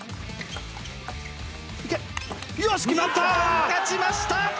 日本、勝ちました！